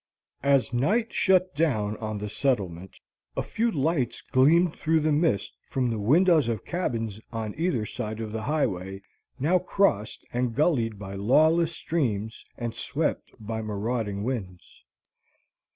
As night shut down on the settlement, a few lights gleamed through the mist from the windows of cabins on either side of the highway now crossed and gullied by lawless streams and swept by marauding winds.